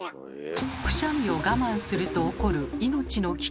くしゃみを我慢すると起こる命の危険とは？